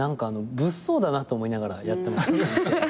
物騒だなと思いながらやってました。